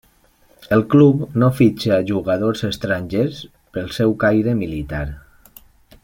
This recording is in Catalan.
El club no fitxa jugadors estrangers pel seu caire militar.